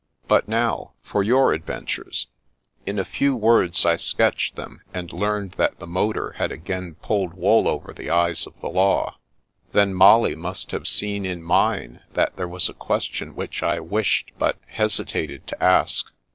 But now, for your adventures." In a few words I sketched them, and learned that the motor had again pulled wool over the eyes of the law; then Molly must have seen in mine that there was a question which I wished, but hesitated, to ask.